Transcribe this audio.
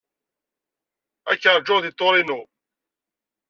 Ad k-ṛjuɣ deg Torino.